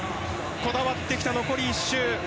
こだわってきた残り１周。